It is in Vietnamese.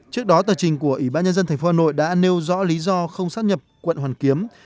trước đó tờ trình của ủy ban nhân dân tp hà nội đã nêu rõ lý do không sát nhập quận hoàn kiếm